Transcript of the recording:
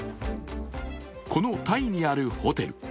このタイにあるホテル。